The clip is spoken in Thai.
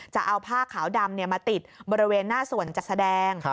จะเอาผ้าขาวดำมาติดบริเวณหน้าส่วนจัดแสดง